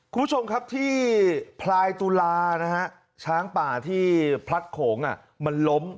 คุณผู้ชมครับที่พลายตุลานะฮะช้างป่าที่พลัดโขงมันล้ม